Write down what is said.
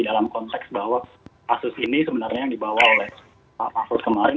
dalam konteks bahwa kasus ini sebenarnya yang dibawa oleh pak mahfud kemarin